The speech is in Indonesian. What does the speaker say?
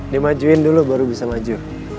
dimajuin dulu baru bisa maju